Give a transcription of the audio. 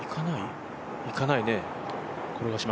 いかないね。